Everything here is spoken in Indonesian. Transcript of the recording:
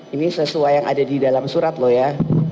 ini sesuai yang ada di dalam surat loh ya